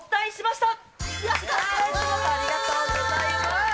ありがとうございます。